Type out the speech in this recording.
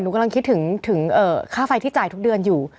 กำลังคิดถึงค่าไฟที่จ่ายทุกเดือนอยู่